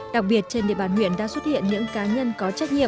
đặc biệt trên địa bàn huyện đã xuất hiện những cá nhân có trách nhiệm